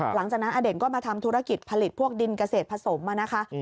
หลังจากนั้นอเด่นก็มาทำธุรกิจผลิตพวกดินเกษตรผสมนะคะ